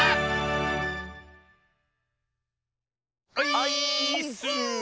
オイーッス！